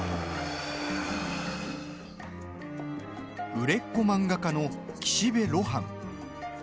売れっ子漫画家の岸辺露伴。